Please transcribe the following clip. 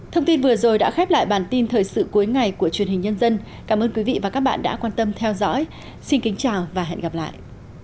thông tin vừa rồi đã khép lại bản tin thời sự cuối ngày của truyền hình nhân dân cảm ơn quý vị và các bạn đã quan tâm theo dõi xin kính chào và hẹn gặp lại